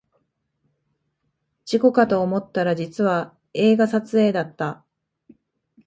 事故かと思ったら実は映画撮影だった